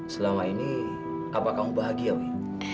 selama ini apa kamu bahagia wi